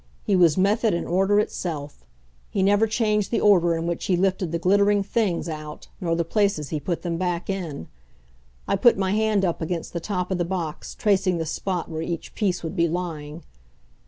He was method and order itself. He never changed the order in which he lifted the glittering things out, nor the places he put them back in. I put my hand up against the top of the box, tracing the spot where each piece would be lying.